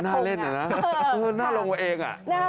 มันหน้าเล่นเนี่ยนะหน้าลงไว้เอง